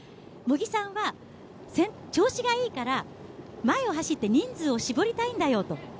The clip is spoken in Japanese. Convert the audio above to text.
茂木さんは調子がいいから前を走って人数を絞りたいんだよと。